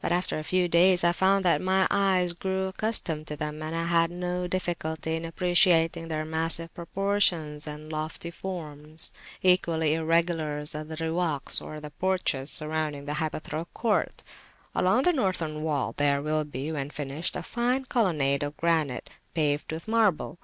But after a few days I found that my eye grew accustomed to them, and I had no difficulty in appreciating their massive proportions and lofty forms. Equally irregular are the Riwaks, or porches, surrounding the hypaethral court. Along the Northern wall there will be, when finished, a fine colonnade of granite, paved with marble.